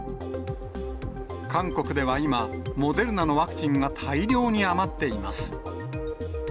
韓国では今、モデルナのワクチンが大量に余っています。